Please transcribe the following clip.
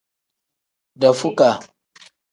Dafukaa.